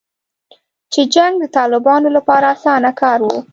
چې جنګ د طالبانو لپاره اسانه کار و